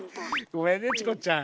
ごめんねチコちゃん。